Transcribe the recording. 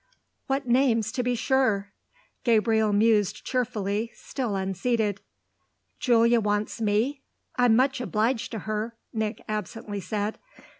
What names to be sure!" Gabriel mused cheerfully, still unseated. "Julia wants me? I'm much obliged to her!" Nick absently said.